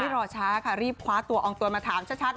มิรอชะค่ะรีบคว้าตัวอองตวนไปถามชัดว่าตกลง